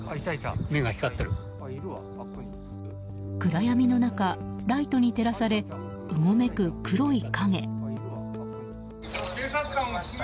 暗闇の中、ライトに照らされうごめく黒い影。